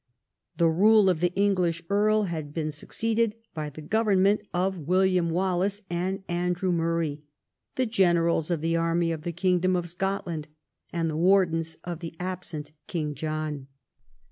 The rule of the English earl had been suc ceeded by the government of William Wallace and Andrew Murray, "the generals of the army of the kingdom of Scotland" and the wardens of the absent King John.